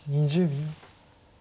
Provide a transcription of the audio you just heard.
２０秒。